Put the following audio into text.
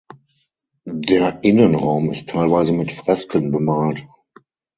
Der Innenraum ist teilweise mit Fresken bemalt.